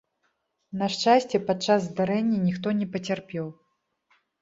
На шчасце, падчас здарэння ніхто не пацярпеў.